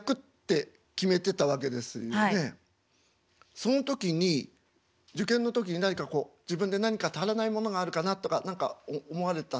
その時に受験の時に何かこう自分で何か足らないものがあるかなとか何か思われた？